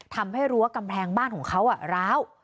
ทำให้รั้วกำแพงบ้านของเขาอ่ะร้าว